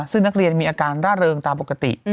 ซึ่งนักเรียนมีอาการร่าเริงตามปกติ